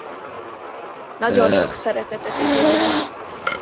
Nagyon sok szeretetet igényel.